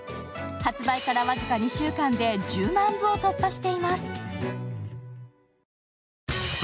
発売から僅か２週間で１０万部を突破しています。